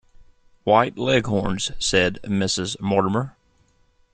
White Leghorns, said Mrs Mortimer.